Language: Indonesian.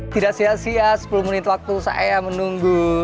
tidak sia sia sepuluh menit waktu saya menunggu